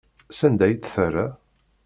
Sanda ay tt-terra?